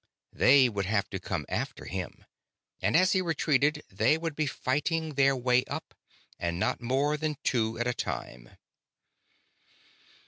They would have to come after him, and as he retreated, they would be fighting their way up, and not more than two at a time.